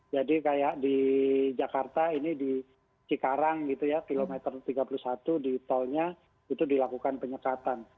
jadi kayak di jakarta di sikarang km tiga puluh satu di tolnya itu dilakukan penyekatan